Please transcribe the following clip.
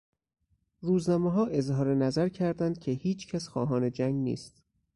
روزنامهها اظهار نظر کردند که هیچ کس خواهان جنگ نیست.